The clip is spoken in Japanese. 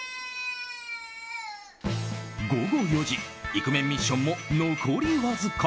午後４時、イクメンミッションも残りわずか。